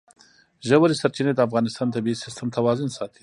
ژورې سرچینې د افغانستان د طبعي سیسټم توازن ساتي.